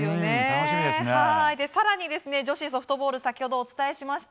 更に、女子ソフトボール先ほどお伝えしました。